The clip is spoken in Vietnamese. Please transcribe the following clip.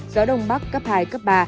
gió đông bắc cấp hai cấp ba